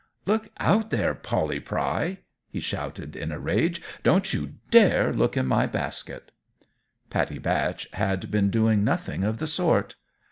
"Look out, there, Polly Pry!" he shouted, in a rage; "don't you dare look at my basket." Pattie Batch had been doing nothing of the sort.